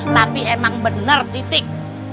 tapi emang bener titik